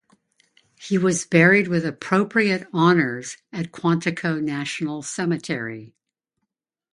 He was buried with appropriate honors at Quantico National Cemetery.